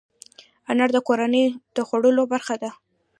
انار د کورنۍ د خوړو برخه ده.